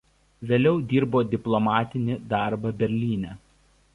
Vėliau dirbo diplomatinį darbą Berlyne.